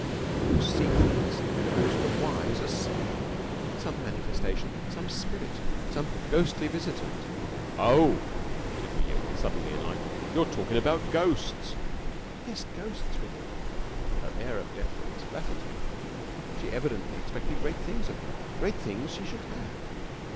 "You see things that to the wise are sealed. Some manifestation, some spirit, some ghostly visitant " "Oh," said William, suddenly enlightened, "you talkin' about ghosts?" "Yes, ghosts, William." Her air of deference flattered him. She evidently expected great things of him. Great things she should have.